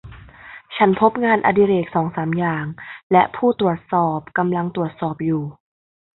ฉันพบงานอดิเรกสองสามอย่างและผู้ตรวจสอบกำลังตรวจสอบอยู่